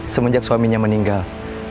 semenjak suaminya meninggal